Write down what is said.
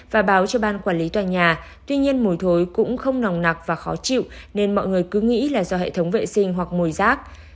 các quản lý tòa nhà tuy nhiên mùi thối cũng không nòng nặc và khó chịu nên mọi người cứ nghĩ là do hệ thống vệ sinh hoặc mùi rác